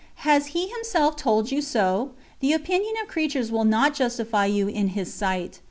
Has He Himself told you so? The opinion of creatures will not justify you in His sight.'